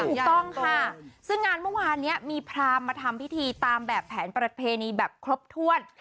ถูกต้องค่ะซึ่งงานเมื่อวานนี้มีพรามมาทำพิธีตามแบบแผนประเพณีแบบครบถ้วน